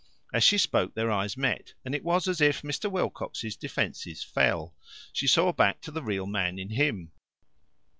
As she spoke their eyes met, and it was as if Mr. Wilcox's defences fell. She saw back to the real man in him.